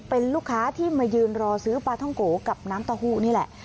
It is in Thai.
เป็นลูกค้าที่มายืนรอซื้อปลาท่องโกกับน้ำเต้าหู้นี่แหละ